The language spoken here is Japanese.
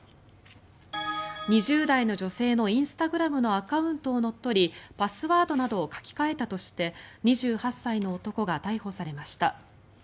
２０代の女性のインスタグラムのアカウントを乗っ取りパスワードなどを書き換えたとして２８歳の男が逮捕されました。